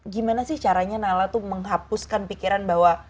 gimana sih caranya nala tuh menghapuskan pikiran bahwa